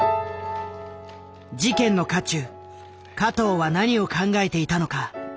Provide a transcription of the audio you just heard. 事件の渦中加藤は何を考えていたのか？